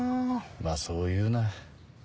まぁそう言うな。